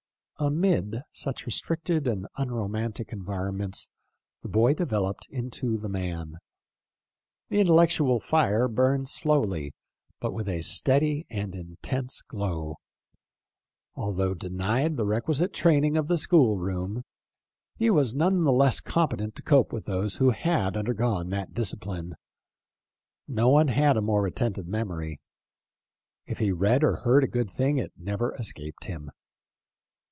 Amid such restricted and unromantic environ ments the boy developed into the man. The intel lectual fire burned slowly, but with a steady and intense glow. Although denied the requisite train ing of the school room, he was none the less com petent to cope with those who had undergone that discipline. No one had a more retentive memory. If he read or heard a good thing it never escaped him.